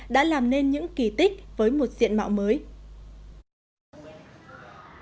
đã làm nên những kỳ tích với một diện mạo mới